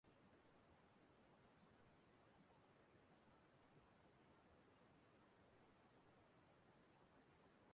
ọbụnadị dịka ọ rịọkwazịrị nkwàdo gọọmenti na ndị ọzọ ọrụ obi ebere na-amasị